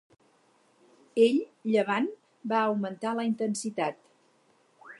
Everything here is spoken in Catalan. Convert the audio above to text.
Ell llevant va augmentar la intensitat.